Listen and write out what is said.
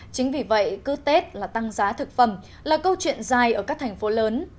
chính vì vậy cứ tết là tăng giá thực phẩm là câu chuyện dài ở các thành phố lớn